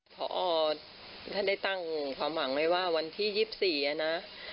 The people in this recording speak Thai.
พอท่านได้ตั้งความหวังไว้ว่าวันที่๒๔นะ